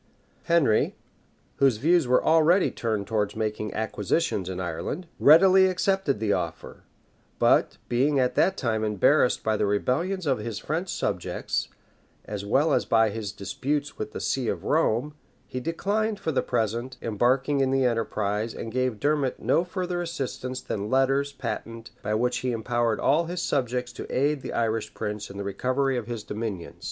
Henry, whose views were already turned towards making acquisitions in Ireland, readily accepted the offer; but being at that time embarrassed by the rebellions of his French subjects, as well as by his disputes with the see of Rome, he declined, for the present, embarking in the enterprise, and gave Dermot no further assistance than letters patent, by which he empowered all his subjects to aid the Irish prince in the recovery of his dominions.